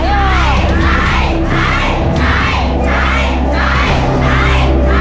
ใช้